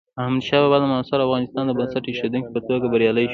احمدشاه بابا د معاصر افغانستان د بنسټ ایښودونکي په توګه بریالی شو.